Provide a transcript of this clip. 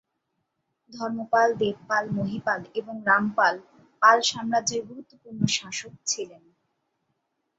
ধর্মপাল, দেবপাল, মহীপাল এবং রামপাল পাল সাম্রাজ্যের গুরুত্বপূর্ণ শাসক ছিলেন।